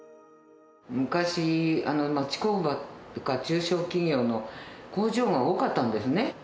昔、町工場か中小企業の工場が多かったんですね。